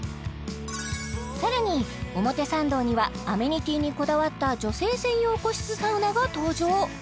さらに表参道にはアメニティーにこだわった女性専用個室サウナが登場